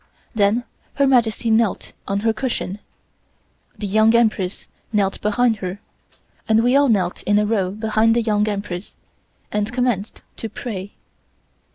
Then Her Majesty knelt on her cushion, the Young Empress knelt behind her, and we all knelt in a row behind the Young Empress, and commenced to pray.